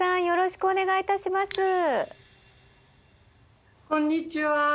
よろしくお願いします。